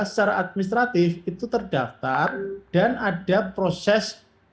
secara administratif itu terdaftar dan ada proses